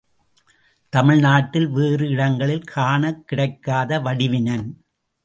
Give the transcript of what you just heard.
தமிழ் நாட்டில் வேறு இடங்களில் காணக் கிடைக்காத வடிவினன்.